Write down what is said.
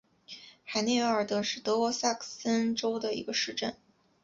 海内瓦尔德是德国萨克森州的一个市镇。